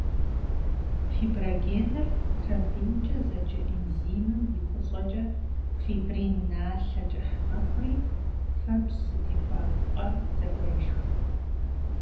Фибриногеныр, тромбинкӏэ зэджэ энзимым и фӏыщӏэкӏэ, фибрин налъэ кӏыхь мэхъури, фэбжь зытехуа пӏэр зэӏуешхэ.